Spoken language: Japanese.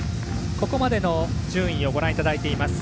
ここまでの順位をご覧いただいています。